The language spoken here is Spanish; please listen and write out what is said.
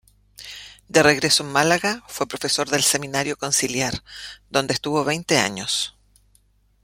De regreso en Málaga, fue profesor del Seminario Conciliar, donde estuvo veinte años.